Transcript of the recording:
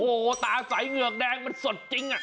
โอ้โหตาใสเหงือกแดงมันสดจริง